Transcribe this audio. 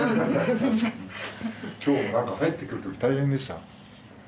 今日もなんか入ってくる時大変でした。